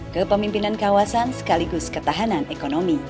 kepemimpinan kawasan sekaligus ketahanan ekonomi